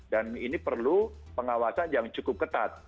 dan ini perlu pengawasan yang cukup ketat